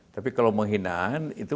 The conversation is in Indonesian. tapi kalau penghinaan itu